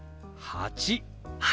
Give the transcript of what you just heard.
８。